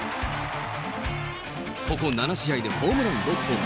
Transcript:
ここ７試合でホームラン６本。